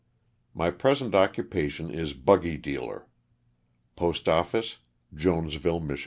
My present occupation is buggy dealer; postoffice, Jonesville, Mich.